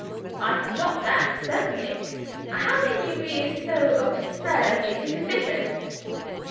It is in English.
"I forgot that, certainly! How can you be so absurdly superstitious."